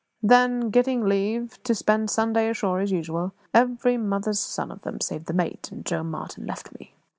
Then, getting leave to spend Sunday ashore, as usual, every mother's son of them save the mate and Joe Martin left me.